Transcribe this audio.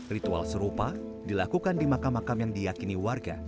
ritual serupa dilakukan di makam makam yang diyakini warga